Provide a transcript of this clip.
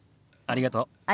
ありがとう。